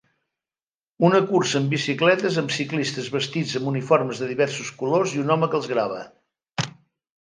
Una cursa de bicicletes amb ciclistes vestits amb uniformes de diversos colors i un home que els grava.